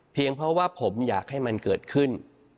เพราะว่าผมอยากให้มันเกิดขึ้น